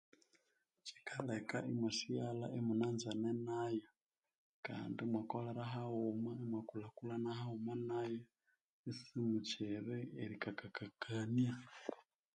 Kyikaleka imwasighalha imunanzene nayo kandi imwakolera haghuma imwakulhakulhana nayo isimukyiri erikakakakania.